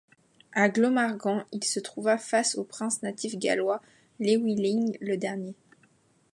À Glamorgan, il se trouva face au prince natif gallois Llywelyn le Dernier.